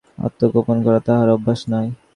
আত্মগোপন করা তাহার অভ্যাস নাই।